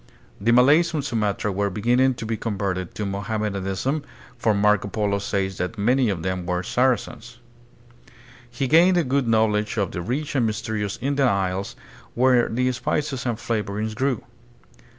The Malays on Sumatra were beginning to be converted to Mohammedanism, for Marco Polo says that many of them were "Saracens." He gamed a good knowledge of the rich and mysterious Indian Isles, where the spices and flavorings grew.